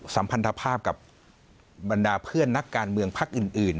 สัมพันธภาพกับบรรดาเพื่อนนักการเมืองพักอื่น